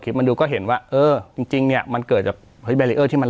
คลิปมาดูก็เห็นว่าเออจริงจริงเนี้ยมันเกิดจากที่มัน